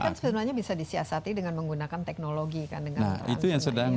tapi itu kan sebenarnya bisa disiasati dengan menggunakan teknologi kan dengan terang jamaah yang harusnya dilakukan